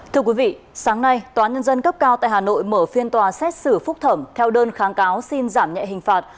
thưa quý vị sáng nay tòa nhân dân cấp cao tại hà nội mở phiên tòa xét xử phúc thẩm theo đơn kháng cáo xin giảm nhẹ hình phạt